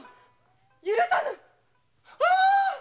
許さぬ。